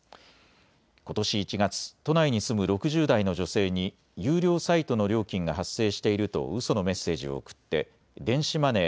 ことし１月、都内に住む６０代の女性に有料サイトの料金が発生しているとうそのメッセージを送って電子マネー